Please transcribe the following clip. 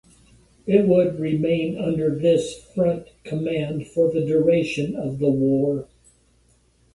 It would remain under this Front command for the duration of the war.